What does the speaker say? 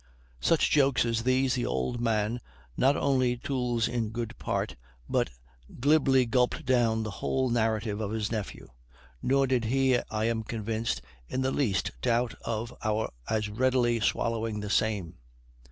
Such jokes as these the old man not only tools in good part, but glibly gulped down the whole narrative of his nephew; nor did he, I am convinced, in the least doubt of our as readily swallowing the same.